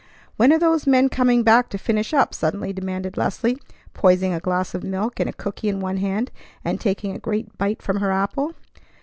"When are those men coming back to finish up?" suddenly demanded Leslie, poising a glass of milk and a cooky in one hand and taking a great bite from her apple.